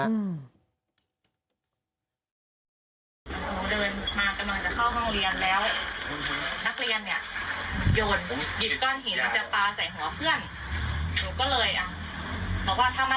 ที่สองน้องไม่วางครูบอกให้วางลงเดี๋ยวนี้